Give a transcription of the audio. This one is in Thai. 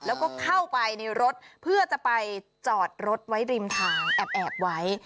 แล้วก็เข้าไปในรถเพื่อจะไปจอดรถไว้ริมทางแอบไว้